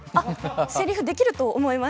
せりふできると思います。